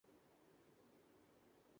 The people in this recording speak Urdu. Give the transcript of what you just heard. اپنے گھر کو صاف ستھرا رکھا کرو